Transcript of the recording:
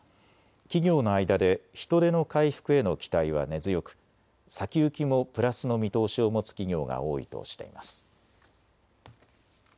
企業の間で人出の回復への期待は根強く、先行きもプラスの見通しを持つ企業が多いとしています。